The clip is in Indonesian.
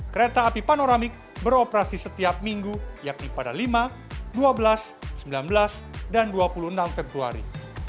kereta api panoramik beroperasi setiap minggu yakni pada lima dua belas sembilan belas dan dua puluh enam februari